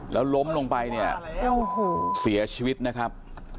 แล้วล้มลงไปเนี่ยโอ้โหเสียชีวิตนะครับ